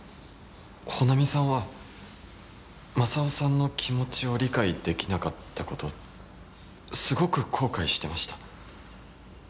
帆奈美さんはマサオさんの気持ちを理解できなかった事すごく後悔してました。